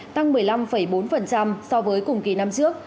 tăng một mươi năm bốn so với cùng kỳ năm trước